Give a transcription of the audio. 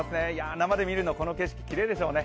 生で見るこの景色、きれいでしょうね。